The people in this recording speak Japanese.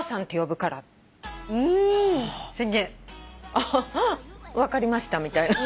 「あっ分かりました」みたいな。